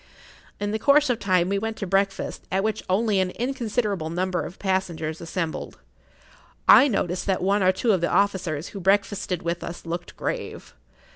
In the course of time we went to breakfast, at which only an inconsiderable number of[Pg 29] passengers assembled. I noticed that one or two of the officers who breakfasted with us looked grave.